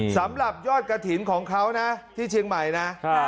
สำหรับยอดกระถิ่นของเขานะที่เชียงใหม่นะ